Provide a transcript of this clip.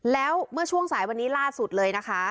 แล้วเมื่อช่วงสายวันนี้ล่าสุดเลยนะคะ